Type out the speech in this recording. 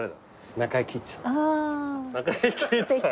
中井貴一さん。